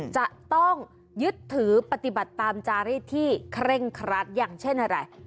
จะต้องยึดถือปฏิบัติตามจาริสที่เคร่งครัดอย่างเช่นอะไร